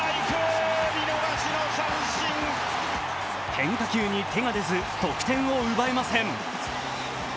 変化球に手が出ず、得点を奪えません。